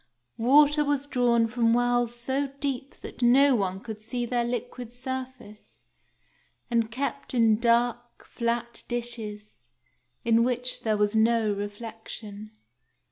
Water was drawn from wells so deep that no one could see their liquid surface, and kept in dark, flat dishes, in which there was no reflection.